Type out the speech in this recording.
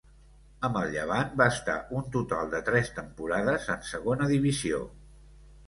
Amb el Llevant va estar un total de tres temporades en Segona Divisió.